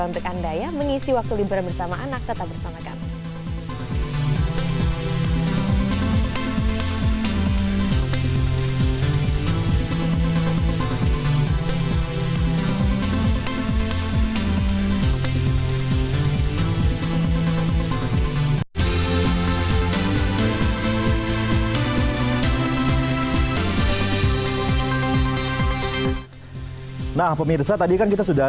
untuk anda ya mengisi waktu liburan bersama anak tetap bersama kami nah pemirsa tadi kan kita sudah